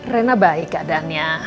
rena baik keadaannya